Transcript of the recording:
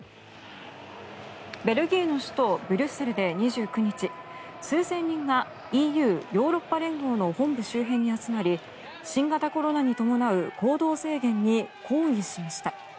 ベルギーの首都ブリュッセルで２９日数千人がＥＵ・ヨーロッパ連合の本部周辺に集まり新型コロナに伴う行動制限に抗議しました。